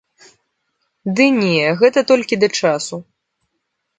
Ды не, гэта толькі да часу.